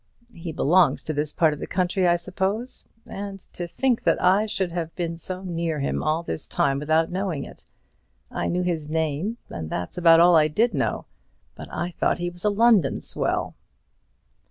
He belongs to this part of the country, I suppose. And to think that I should have been so near him all this time without knowing it. I knew his name, and that's about all I did know; but I thought he was a London swell."